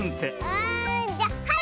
あじゃはい！